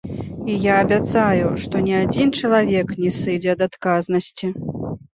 І я абяцаю, што ні адзін чалавек не сыдзе ад адказнасці!